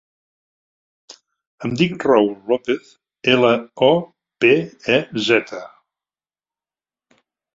Em dic Raül Lopez: ela, o, pe, e, zeta.